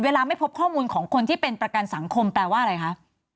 ไม่พบข้อมูลของคนที่เป็นประกันสังคมแปลว่าอะไรคะ